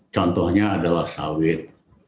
contohnya adalah sawit